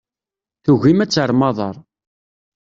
Tugim ad terrem aḍar.